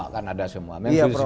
kan ada semua